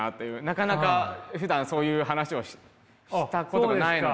なかなかふだんそういう話をしたことがないので。